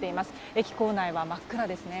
駅構内は真っ暗ですね。